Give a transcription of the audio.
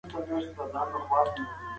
که ته پاملرنه وکړې بریالی کېږې.